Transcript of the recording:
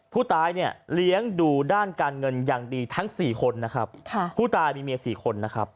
ผู้ตายเลี้ยงดูด้านการเงินอย่างดีทั้งสี่คนผู้ตายมีเมียสี่คน